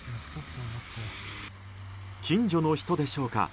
近所の人でしょうか。